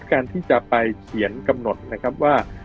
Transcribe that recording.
การที่จะไปเขียนกำหนดว่า